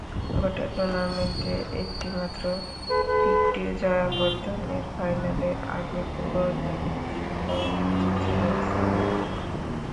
গোটা টুর্নামেন্টে একটি মাত্র ফিফটি জয়াবর্ধনের, ফাইনালের আগে পুরো নিষ্প্রভ ছিলেন সাঙ্গাকারা।